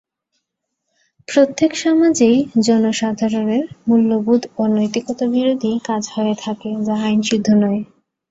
প্রত্যেক সমাজেই জনসাধারণের মূল্যবোধ ও নৈতিকতা বিরোধী কাজ হয়ে থাকে, যা আইনসিদ্ধ নয়।